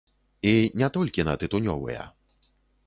І не толькі на тытунёвыя.